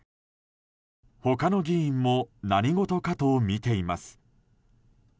他の議員も何事かと見ています。